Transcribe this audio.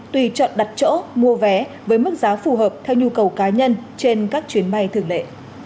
tùy chọn đặt chỗ mua vé với mức giá phù hợp theo nhu cầu cá nhân trên các chuyến bay thường lệ